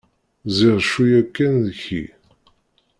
Ziɣ cwiyya-k kan deg-ki!